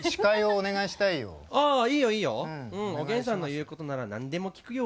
おげんさんの言う事なら何でも聞くよ。